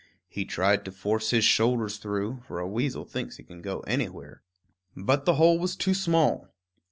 He tried to force his shoulders through; for a weasel thinks he can go anywhere. But the hole was too small.